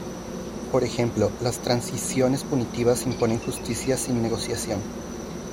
Por ejemplo, las transiciones punitivas imponen justicia sin negociación.